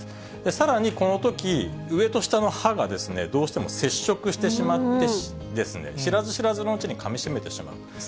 さらにこのとき、上と下の歯がどうしても接触してしまって、知らず知らずのうちにかみしめてしまう。